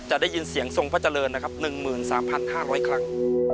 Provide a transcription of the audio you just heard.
จะได้ยินเสียงทรงพระเจริญนะครับหนึ่งหมื่นสามพันห้าร้อยครั้ง